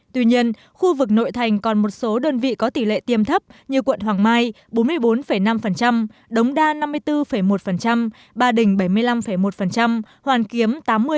tuy nhiên khu vực nội thành còn một số đơn vị có tỷ lệ tiêm thấp như quận hoàng mai bốn mươi bốn năm đống đa năm mươi bốn một ba đình bảy mươi năm một hoàn kiếm tám mươi